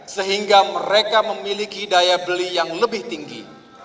sehingga mereka memiliki daya beli yang lebih tinggi